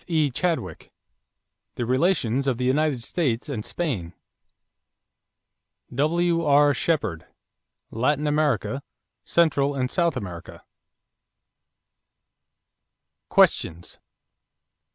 E. Chadwick, The Relations of the United States and Spain. W.R. Shepherd, Latin America; Central and South America. =Questions= 1.